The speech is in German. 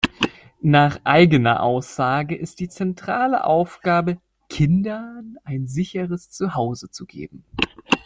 Nach eigener Aussage ist die zentrale Aufgabe „Kindern ein sicheres Zuhause zu geben“.